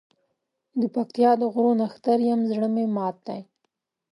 دپکتیا د غرو نښتر یم زړه مي مات دی